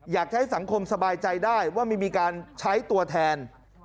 อยากให้สังคมสบายใจได้ว่าไม่มีการใช้ตัวแทน